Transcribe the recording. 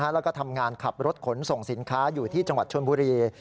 แล้วก็ทำงานขับรถขนส่งสินค้าอยู่ที่จังหวัดชนบุรี